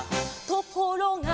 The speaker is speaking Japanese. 「ところが」